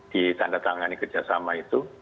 di tanda tangan kerjasama itu